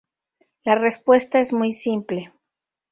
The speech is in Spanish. La respuesta es muy simple.